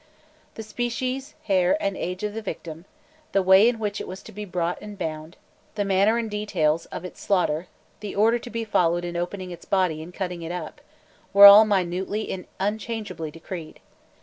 The species, hair, and age of the victim, the way in which it was to be brought and bound, the manner and details of its slaughter, the order to be followed in opening its body and cutting it up, were all minutely and unchangeably decreed.